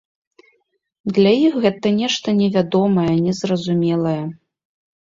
Для іх гэта нешта невядомае, незразумелае.